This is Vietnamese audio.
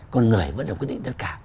con người vẫn được quyết định tất cả